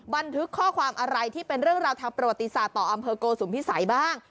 บันทึกข้อความอะไรที่เป็นเรื่องราวทางประวัติศาสตร์ต่ออำเภอโกสุมพิสัยบ้าง